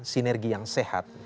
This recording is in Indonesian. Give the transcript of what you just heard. sinergi yang sehat